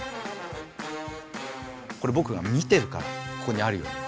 これはぼくが見てるからここにあるように。